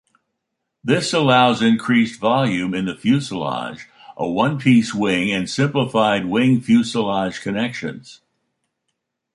This allows increased volume in the fuselage, a one-piece wing, and simplified wing-fuselage connections.